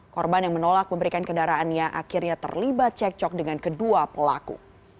korban yang menolak memberikan kendaraannya akhirnya terlibat cekcok dengan kedua pelaku